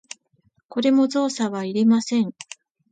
これも造作はいりません。